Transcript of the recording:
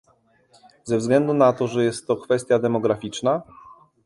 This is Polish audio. Ze względu na to, że jest to kwestia demograficzna?